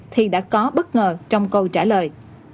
thì đã có bất ngờ trong câu trả lời